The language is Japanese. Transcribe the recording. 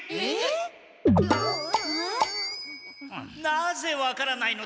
なぜ分からないのです。